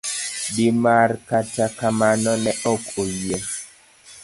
D. mar Kata kamano, ne ok oyie.